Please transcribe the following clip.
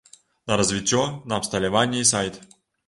На развіццё, на абсталяванне і сайт.